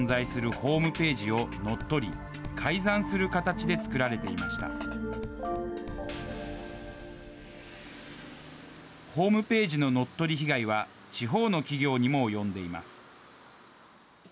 ホームページの乗っ取り被害は、地方の企業にも及んでいます。